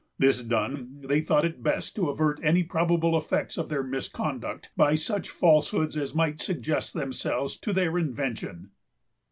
This done, they thought it best to avert any probable effects of their misconduct by such falsehoods as might suggest themselves to their invention.